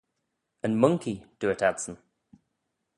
Yn Monkey, dooyrt adsyn.